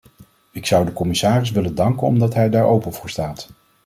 Ik zou de commissaris willen danken omdat hij daar open voor staat.